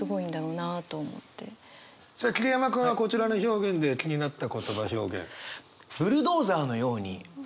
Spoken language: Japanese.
さあ桐山君はこちらの表現で気になった言葉表現。